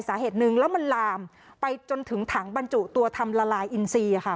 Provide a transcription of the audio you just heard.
สาเหตุหนึ่งแล้วมันลามไปจนถึงถังบรรจุตัวทำละลายอินซีค่ะ